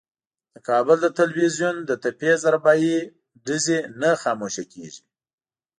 د کابل د ټلوېزیون له تپې ضربهیي ډزې نه خاموشه کېږي.